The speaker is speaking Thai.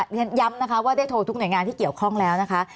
เรียนย้ำนะคะว่าได้โทรทุกหน่วยงานที่เกี่ยวข้องแล้วนะคะ